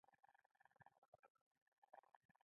علم يوازنی شتمني ده چي نه غلا کيږي.